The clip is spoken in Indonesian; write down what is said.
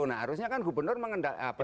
nah harusnya kan gubernur mengendalkan